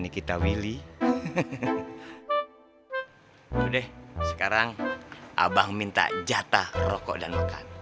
kita jatah rokok dan makan